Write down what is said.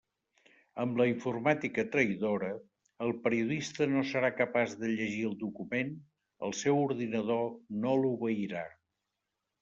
Amb la informàtica traïdora, el periodista no serà capaç de llegir el document, el seu ordinador no l'obeirà.